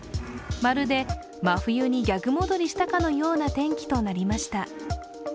まるで真冬に逆戻りしたかのような天気となりました。